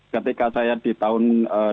ketika saya di tahun dua ribu dua belas